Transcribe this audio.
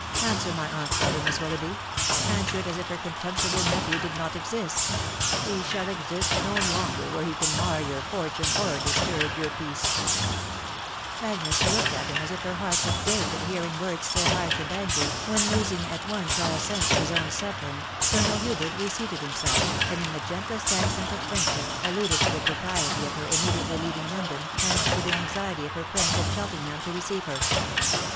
... Answer my aunt's letter, Miss Willoughby •••• answer it as if her contemptible nephew did not exist .... he shall exist no longer where he can mar your fortune, or disturb your peace !" Agnes looked at him as if her heart would break at hearing words so harsh and angrv, when, losing at once all sanae of BBS 374 THE WIDOW BARNABY. his own suffering, Colonel Hubert reseated himself, and, in the gentlest accent of friendship, alluded to the propriety of hef immediately leaving London, and to the anxiety of her friends at Cheltenham to receive her.